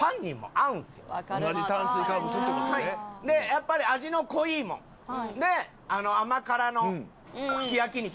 やっぱり味の濃いもので甘辛のすき焼きに。